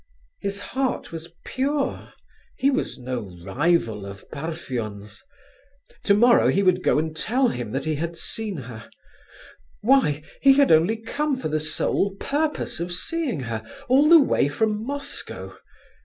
His heart was pure, he was no rival of Parfen's. Tomorrow, he would go and tell him that he had seen her. Why, he had only come for the sole purpose of seeing her, all the way from Moscow!